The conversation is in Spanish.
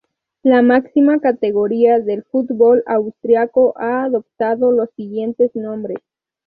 La máxima categoría del fútbol austriaco ha adoptado los siguientes nombres.